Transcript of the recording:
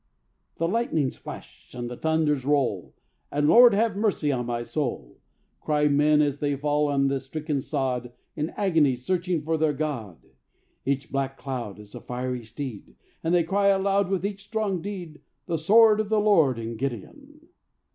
The lightnings flash and the thunders roll, And "Lord have mercy on my soul," Cry men as they fall on the stricken sod, In agony searching for their God. Each black cloud Is a fiery steed. And they cry aloud With each strong deed, "The sword of the Lord and Gideon."